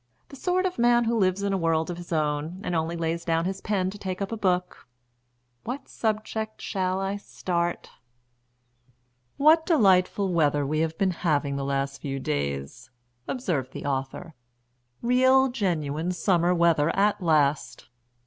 "The sort of man who lives in a world of his own, and only lays down his pen to take up a book. What subject shall I start?" "What delightful weather we have been having the last few days!" observed the author. "Real genuine summer weather at last."